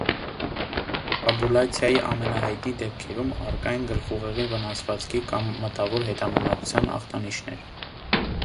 Կոնֆաբուլացիայի ամենահայտնի դեպքերում առկա են գլխուղեղի վնասվածքի կամ մտավոր հետամնացության ախտանիշներ։